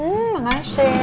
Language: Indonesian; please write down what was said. nggak aku makan nanti